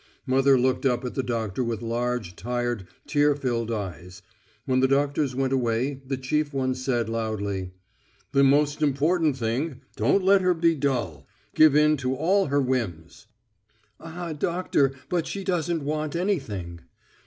Mother looked up at the doctor with large, tired, tear filled eyes. When the doctors went away the chief one said loudly: "The most important thing is don't let her be dull. Give in to all her whims." "Ah, doctor, but she doesn't want anything!"